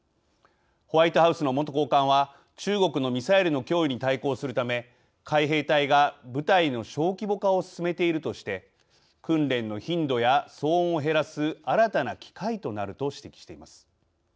ホワイトハウスの元高官は中国のミサイルの脅威に対抗するため海兵隊が部隊の小規模化を進めているとして「訓練の頻度や騒音を減らす新たな機会となる」と指摘しています。